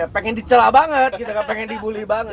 pengen dicela banget pengen dibully banget